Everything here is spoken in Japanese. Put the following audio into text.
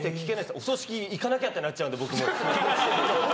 お葬式行かなきゃってなっちゃうので、僕も。